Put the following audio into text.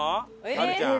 はるちゃん。